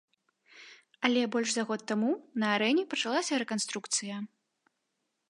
Але больш за год таму на арэне пачалася рэканструкцыя.